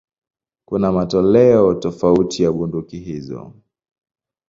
Kuna matoleo tofauti ya bunduki hizo.